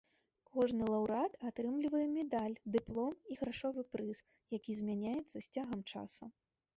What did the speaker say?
Кожны лаўрэат атрымлівае медаль, дыплом і грашовы прыз, які змяняецца з цягам часу.